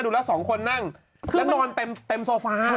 ละสองคนนั่งแล้วนอนเต็มโซฟา